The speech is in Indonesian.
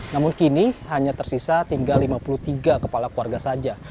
namun kini hanya tersisa tinggal lima puluh tiga kepala keluarga saja